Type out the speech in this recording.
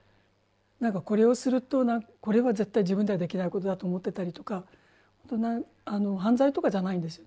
これをするとこれは絶対自分ではできないことだと思ってたりとか犯罪とかじゃないんです。